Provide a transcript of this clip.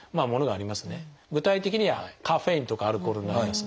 具体的にはカフェインとかアルコールになります。